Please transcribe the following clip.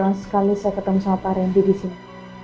terima kasih sekali saya ketemu pak randy di sini